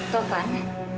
tau pa kan